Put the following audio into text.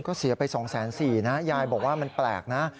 ก็เสียไป๒๔๐๐นะยายบอกว่ามันแปลกนะ